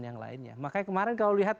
yang lainnya makanya kemarin kalau lihat